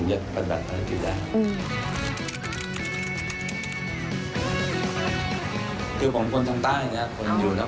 คนอยู่ทักษะภาคสูตรธรรมดาก็ชอบอาหารต่าง